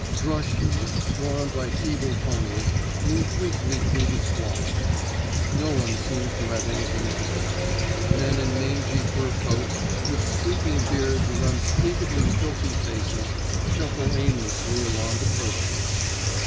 Droschkies, drawn by feeble ponies, move weakly through the squalor. No one seems to have anything to do. Men in mangy fur coats, with sweeping beards and unspeakably filthy faces shuffle aimlessly along the pavements.